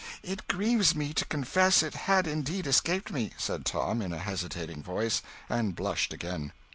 "It grieves me to confess it had indeed escaped me," said Tom, in a hesitating voice; and blushed again.